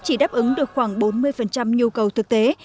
chỉ đáp ứng được khoảng bốn mươi nhu cầu thực tế